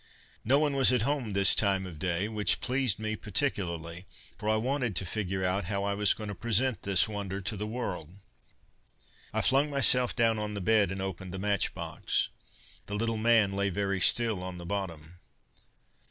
No one was at home this time of day, which pleased me particularly, for I wanted to figure out how I was going to present this wonder to the world. I flung myself down on the bed and opened the matchbox. The little man lay very still on the bottom.